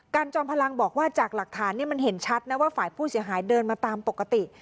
จอมพลังบอกว่าจากหลักฐานมันเห็นชัดนะว่าฝ่ายผู้เสียหายเดินมาตามปกติ